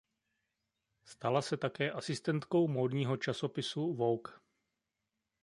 Stala se také asistentkou módního časopisu "Vogue".